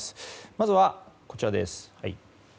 まずは、こちらです。